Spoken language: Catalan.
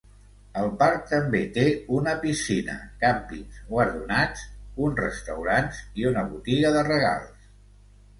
El parc també té una piscina, càmpings guardonats, un restaurants i una botiga de regals.